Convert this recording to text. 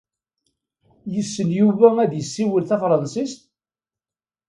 Yessen Yuba ad yessiwel tafṛansit?